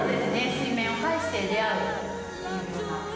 水面を介して出会うっていうのが。